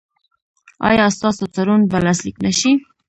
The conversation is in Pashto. ایا ستاسو تړون به لاسلیک نه شي؟